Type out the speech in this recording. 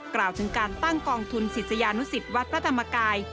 กล่าวถึงการตั้งกองทุนศิษยานุสิตวัดพระธรรมกาย